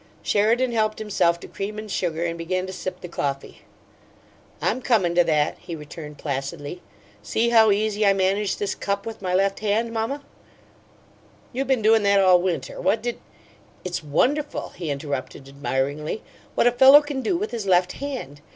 Sheridan helped himself to cream and sugar, and began to sip the coffee. "I'm comin' to that," he returned, placidly. "See how easy I manage this cup with my left hand, mamma?" "You been doin' that all winter. What did " "It's wonderful," he interrupted, admiringly, "what a fellow can do with his left hand.